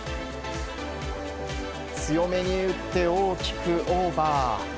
強めに打って、大きくオーバー。